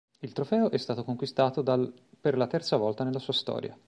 Il trofeo è stato conquistato dal per la terza volta nella sua storia.